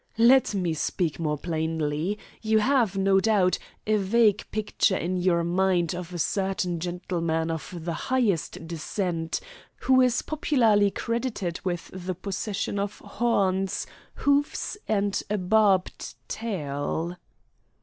"Let me speak more plainly. You have, no doubt, a vague picture in your mind of a certain gentleman of the highest descent who is popularly credited with the possession of horns, hoofs, and a barbed tail?"